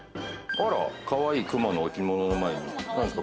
かわいい熊の置物の前に何ですか？